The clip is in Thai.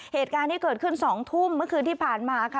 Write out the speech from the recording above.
เหตุการณ์ที่เกิดขึ้น๒ทุ่มเมื่อคืนที่ผ่านมาค่ะ